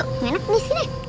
enggak enak nih sini